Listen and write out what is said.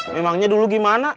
memangnya dulu gimana